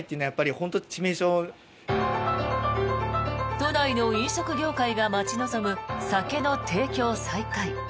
都内の飲食業界が待ち望む酒の提供再開。